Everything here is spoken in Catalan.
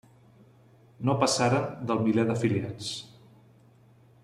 No passaren del miler d'afiliats.